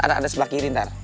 ada ada sebelah kiri ntar